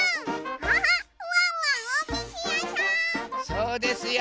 そうですよ。